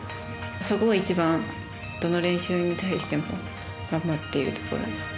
そこを一番、どの練習に対しても頑張っているところです。